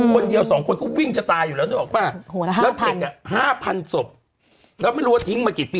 คนเดียว๒คนก็วิ่งจะตายอยู่แล้วพี่คุณออกป่ะ